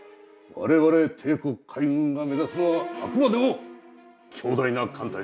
我々帝国海軍が目指すのはあくまでも強大な艦隊だ。